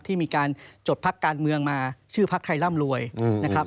ที่มีการจดพักการเมืองมาชื่อพักใครร่ำรวยนะครับ